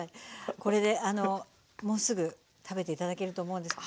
これでもうすぐ食べて頂けると思うんです。